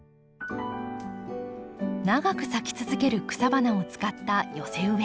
長く咲き続ける草花を使った寄せ植え。